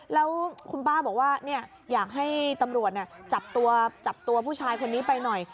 แล้วคุณป้าบอกว่าอยากให้ตำรวจจับตัวผู้ชายคนนี้ไปหน่อย